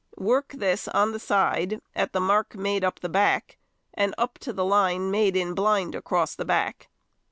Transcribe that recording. Work this on the side at the |131| mark made up the back, and up to the line made in blind across the back.